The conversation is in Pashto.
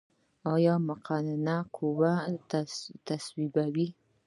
آیا مقننه قوه قوانین تصویبوي؟